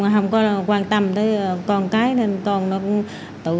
hồng có quan tâm tới con cái nên con nó cũng tự do